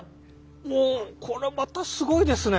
おこれまたすごいですね。